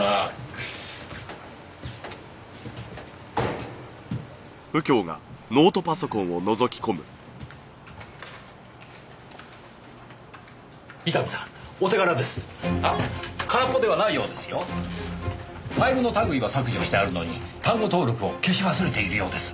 ファイルの類いは削除してあるのに単語登録を消し忘れているようです。